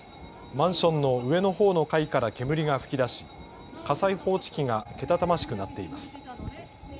マンションの上のほうの階から煙が吹き出し、火災報知器がけたたましく鳴っています。